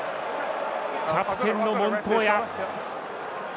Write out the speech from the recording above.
キャップのモントーヤ。